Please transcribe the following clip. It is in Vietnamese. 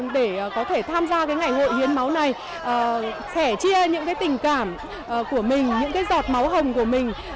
để có thể tham gia ngày hội hiến máu này sẻ chia những tình cảm của mình những giọt máu hồng của mình